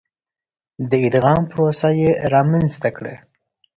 د ادغام پروسه یې رامنځته کړه.